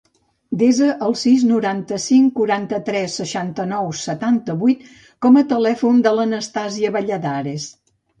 Desa el sis, noranta-cinc, quaranta-tres, seixanta-nou, setanta-vuit com a telèfon de l'Anastàsia Valladares.